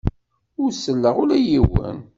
Ur selleɣ ula i yiwen.